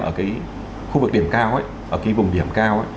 ở cái khu vực điểm cao ở cái vùng điểm cao